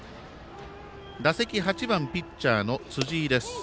打席、８番ピッチャーの辻井です。